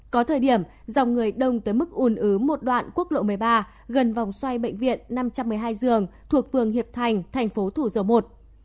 có thời điểm dòng người đông tới mức ùn ứ một đoạn quốc lộ một mươi ba gần vòng xoay bệnh viện năm trăm một mươi hai giường thuộc phường hiệp thành thành phố thủ dầu một